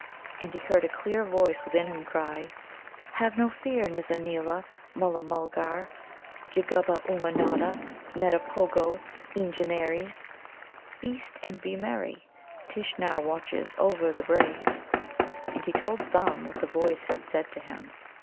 And he heard a clear voice within him cry: "Have no fear, Nizza neela, Mulla mulgar jugguba Ummanodda, neddipogo, Eengenares; feast and be merry. Tishnar watches over the brave." And he told Thumb what the voice had said to him.